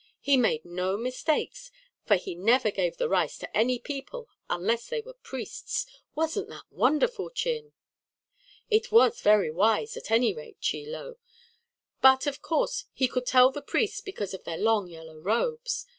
He made no mistakes, for he never gave the rice to any people unless they were priests. Wasn't that wonderful, Chin?" "It was very wise, at any rate, Chie Lo. But, of course, he could tell the priests because of their long yellow robes.